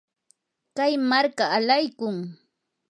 kay marka alaykun.